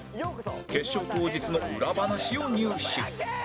決勝当日の裏話を入手